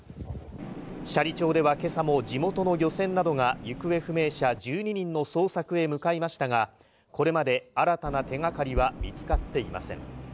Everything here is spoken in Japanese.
斜里町ではけさも地元の漁船などが行方不明者１２人の捜索へ向かいましたが、これまで新たな手がかりは見つかっていません。